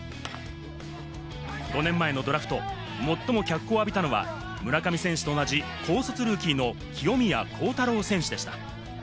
５年前のドラフト、最も脚光を浴びたのは村上選手と同じ高卒ルーキーの清宮幸太郎選手でした。